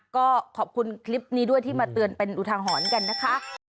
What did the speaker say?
ก็ขอบคุณคลิปนี้ด้วยที่มาเตือนเป็นอุทาหรณ์กันนะคะ